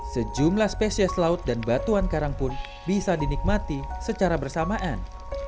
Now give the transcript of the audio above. sejumlah spesies laut dan batuan karang pun bisa dinikmati secara bersamaan